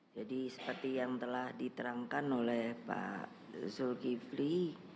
jadi seperti yang telah diterangkan oleh pak zulkifli